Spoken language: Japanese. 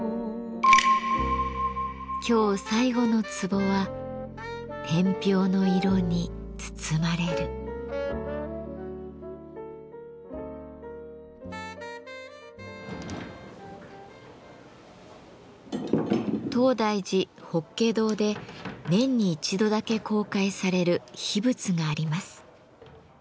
今日最後のツボは東大寺法華堂で年に一度だけ公開される秘仏があります。